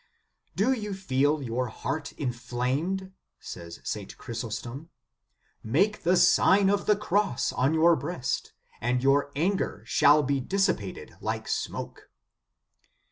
"Do you feel your heart inflamed?" says St. Chrysostom. "Make the Sign of the Cross on your breast, and your anger shall be dissipated like smoke."